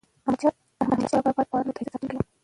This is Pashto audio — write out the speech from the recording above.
احمد شاه بابا د افغانانو د عزت ساتونکی و.